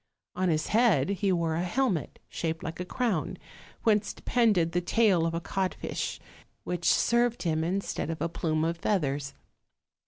On his head he wore a helmet shaped like a crown, whence depended the tail of a codfish, which served him instead of a plume of feathers.